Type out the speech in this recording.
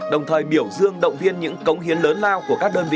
đồng thời biểu dương động viên những cống hiến lớn lao của các đơn vị